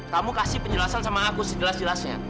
kamu kasih penjelasan sama aku sejelas jelasnya